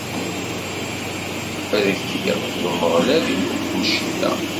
Ad k-id-iqbel Umeɣlal di lweqt n ccedda!